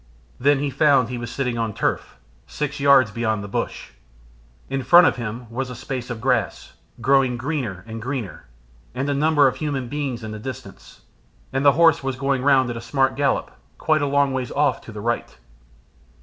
Then he found he was sitting on turf, six yards beyond the bush. In front of him was a space of grass, growing greener and greener, and a number of human beings in the distance, and the horse was going round at a smart gallop quite a long way off to the right.